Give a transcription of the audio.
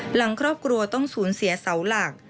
หลังครอบครัวต้องสูญเสียเสาหลัก